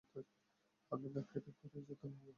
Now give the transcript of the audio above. আপনার নাক কেটে পরের যাত্রা ভঙ্গ।